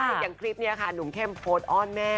อย่างคลิปนี้ค่ะหนุ่มเข้มโพสต์อ้อนแม่